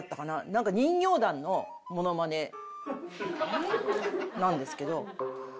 なんか人形団のモノマネなんですけど。